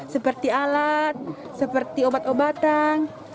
seperti alat seperti obat obatan